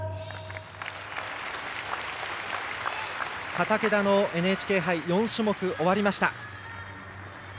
畠田のＮＨＫ杯４種目終わりました。